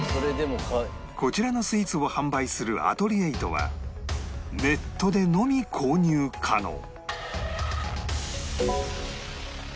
こちらのスイーツを販売する ＡＴＥＬＩＥＲＩＴＯ はネットでのみ購入可能